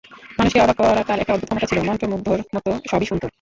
মানুষকে অবাক করার তার একটা অদ্ভুত ক্ষমতা ছিল, মন্ত্রমুগ্ধর মতো সবাই শুনত।